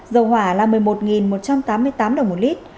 dầu hỏa là một mươi một một trăm tám mươi tám đồng một lít